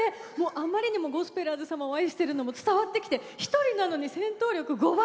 あまりにもゴスペラーズ様を愛してるのも伝わってきてひとりなのに戦闘力５倍！